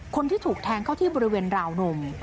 คนที่ถูกแทงเข้าที่บริเวณราวนม